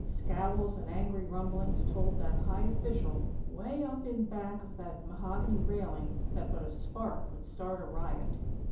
Scowls and angry rumblings told that high official, way up in back of that mahogany railing, that but a spark would start a riot.